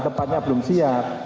tempatnya belum siap